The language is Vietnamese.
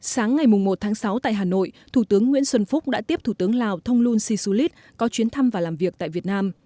sáng ngày một tháng sáu tại hà nội thủ tướng nguyễn xuân phúc đã tiếp thủ tướng lào thông luân si su lít có chuyến thăm và làm việc tại việt nam